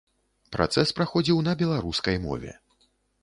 Працэс праходзіў на беларускай мове.